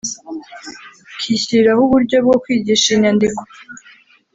kishyiriraho uburyo bwo kwigisha iyi nyandiko